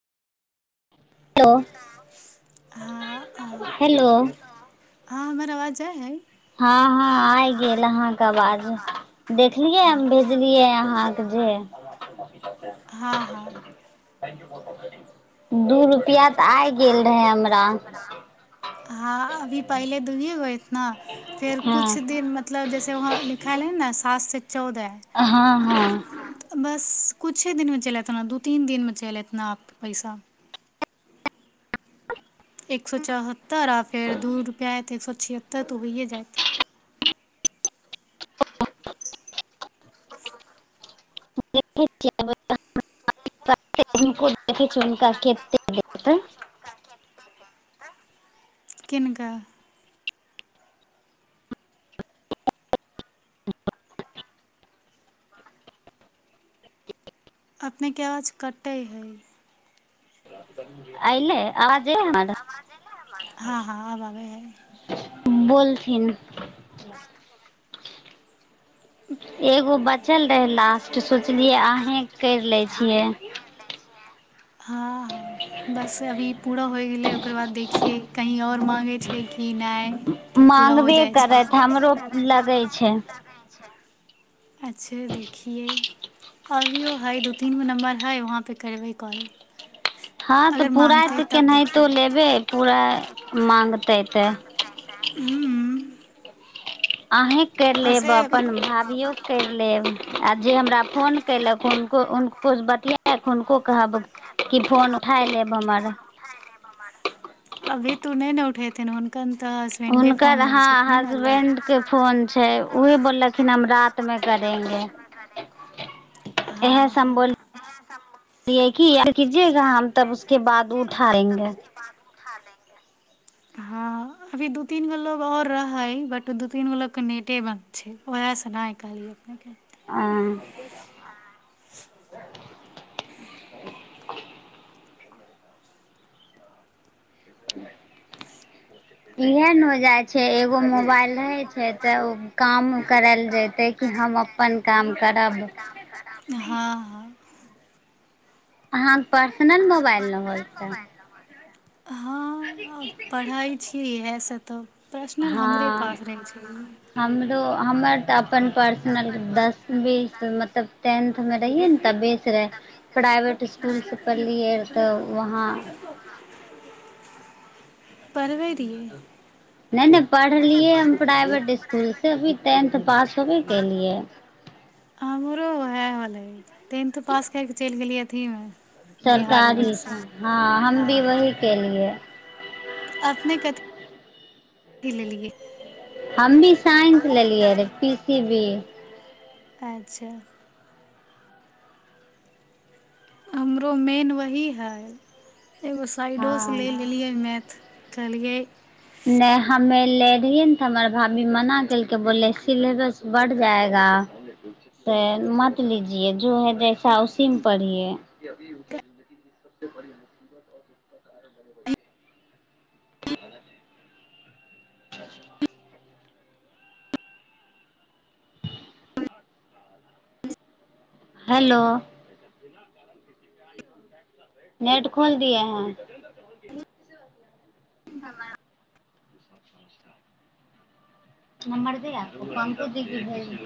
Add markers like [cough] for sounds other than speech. तऽ हँ हेलो हँ हमर आवाज आइ है हँ हँ आइ गेल अहाके बाद देखलियै हम हँ भेजलियै अहाँके जे हँ हँ दू रुपैआ तऽ आइ गेल रहै हमरा हँ अभी पहिले दुूहिए ग न फेर कुछ हँ दिन मतलब जैसे वहाँं लिखाल है न खास चौदह हँ हँ बस कछुे दिनमे चल एत ने दू तीन दिनमे चल एतना आप पैसा एक सए चहत तरा फेर दू रुपैआ त एक स छिहत्तर तऽ होइए जायत हुनको देखैत छिय हुनका कतेक देत किननका अपनेके आवाज कटै हइ [inaudible] आइल आाज हँ हँ आब आबै हइ बोल थिन एगो बात चल रहै लास्ट सोचलियै अहीँ करि लै छियै हँ ह बस अभी पूरा होय गेलै ओकर बाद देखियै कहीँ आओर माङगै छै कि नहि कि पूरा हो मांगबे जाइ छै करत हमरो लगै छै अच्छा देखियै अभियओ हइ दू तीन गो नम्बर हइ वहाँपे करबै कॉल हँ तऽ अगर पूरा माँगतै तऽ तब केनाहितो देखियै लेबै पूरा मागतै तऽ हू अहीँ करि लेब अपन भाभियोक करि लेब आओर जे हमरा फोन कलक हुनको हुनको बतियाक हुनको कहब कि फोन उठााय लेब हमर त हुनकर हँ अल्ले हसबैंड के फोन छै उही बोललखिन हम रातति मे करेंगे इएह हँ हँ सम्बोलियै कि कीजेगा हम तब उसके बाद उठाेंगे हँ अभी दू तीन गो लोको आओर रहै बट दू तीन गो लोकके नेटे बन्द छै उएहसँ नहि कहलियै अपनेके आ इहन मजा छै एगो मोबाइल रहे छै तऽ ओ काम करायल जैतै कि हम अपन काम करब हँ हँ अहाँ पर्सनल मोबाइल नहि होलतै हँ पढ़ाइ छियै इएह सब तब हँ हमरो हमर तऽ अपन पर्सनल दस बीस मतलब टेंथमे रहियै ने तबस रहै प्राइवेट इसकुलसँ पढ़लियै तऽ वहाँ पढ़बै रहियै नहि नहि पढ़लियै हम प्राइवेट इकुल से भी टेंथ पास होबे केलियै हमरो वह होले टेंथ पास कर के चलि गेलिय अथी मे सरकारीसँ हँ हम भी हँ वही केलियए की लेलियै सीवी अच्छा हमरो मेन वही हइ एगो साइडोसँ हँ लऽ लेलियै मैथ कलगइ नहि हमे ले रहियै ने तऽ हमर भाभी मना केलके बोले सिलेबस बढ़ जाएगा से मत लीजिये जो है जैसा उसीमे पढ़िये अच्छा हेलो नेट खोल दिए हैं क नमदे द